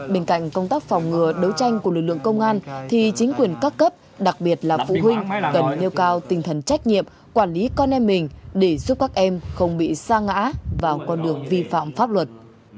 bên cạnh công tác phòng ngừa đấu tranh của lực lượng công an thì chính quyền các cấp đặc biệt là phụ huynh cần nêu cao tinh thần trách nhiệm quản lý con em mình để giúp các em không bị xa ngã vào con đường vi phạm pháp luật